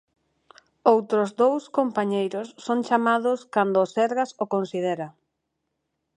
Outros dous compañeiros son chamados cando o Sergas o considera.